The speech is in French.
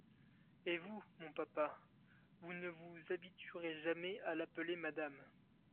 Et vous, mon papa, vous ne vous habituerez jamais à l’appeler madame !